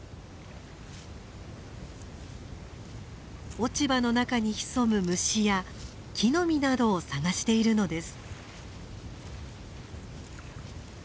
落ち葉の中に潜む虫や木の実などを探しているのです。